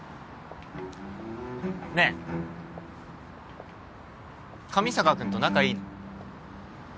ねえ上坂君と仲いいの？